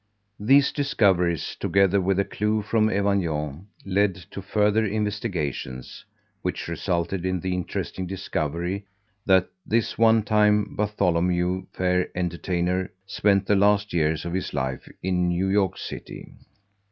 These discoveries, together with a clue from Evanion, led to further investigations, which resulted in the interesting discovery that this one time Bartholomew Fair entertainer spent the last years of his life in New York City.